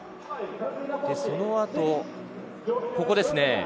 その後、ここですね。